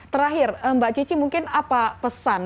terakhir mbak cici mungkin apa pesan